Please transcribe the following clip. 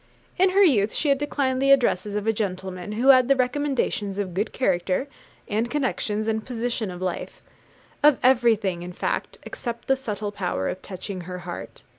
In her youth she had declined the addresses of a gentleman who had the recommendations of good character, and connections, and position in life, of everything, in fact, except the subtle power of touching her heart.